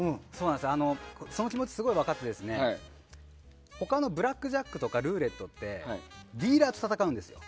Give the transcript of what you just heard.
その気持ちすごい分かって他のブラックジャックとかルーレットってディーラーと戦うんですよ。